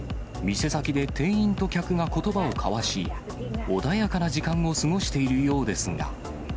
店先で店員と客がことばを交わし、穏やかな時間を過ごしているようですが。